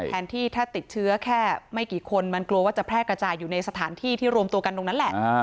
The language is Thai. แทนที่ถ้าติดเชื้อแค่ไม่กี่คนมันกลัวว่าจะแพร่กระจายอยู่ในสถานที่ที่รวมตัวกันตรงนั้นแหละ